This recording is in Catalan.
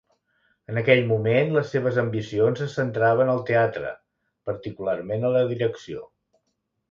En aquell moment, les seves ambicions es centraven al teatre, particularment a la direcció.